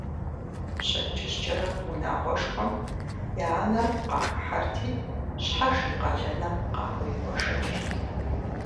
Пщэдджыжькӏэрэ унагъуэшхуэм я анэр къахыхьэрти, щхьэж и къалэныр къахуригуэшэкӏырт.